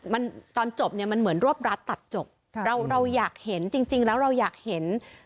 มันตอนจบเนี่ยมันเหมือนรวบรัดตัดจบเราเราอยากเห็นจริงแล้วเราอยากเห็น